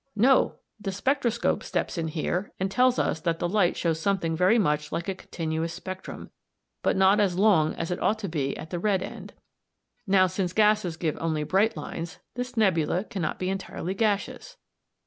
No! the spectroscope steps in here and tells us that the light shows something very much like a continuous spectrum, but not as long as it ought to be at the red end. Now, since gases give only bright lines, this nebula cannot be entirely gaseous.